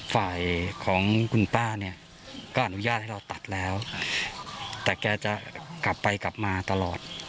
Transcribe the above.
ฝ่ายของคุณป้าเนี่ยก็อนุญาตให้เราตัดแล้วแต่แกจะกลับไปกลับมาตลอด